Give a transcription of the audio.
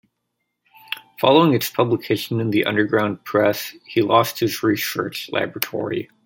Following its publication in the underground press, he lost his research laboratory.